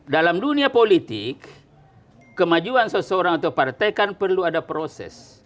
dalam dunia politik kemajuan seseorang atau partai kan perlu ada proses